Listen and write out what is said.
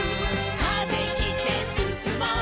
「風切ってすすもう」